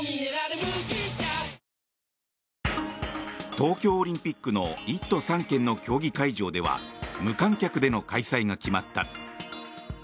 東京オリンピックの１都３県の競技会場では無観客での開催が決まった。